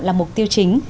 là mục tiêu chính